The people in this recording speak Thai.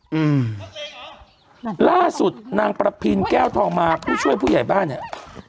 อืมล่าสุดนางประพินแก้วทองมาผู้ช่วยผู้ใหญ่บ้านเนี้ย